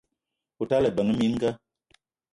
O tala ebeng minga